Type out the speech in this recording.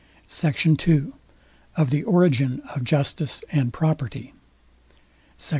SECT. II OF THE ORIGIN OF JUSTICE AND PROPERTY SECT.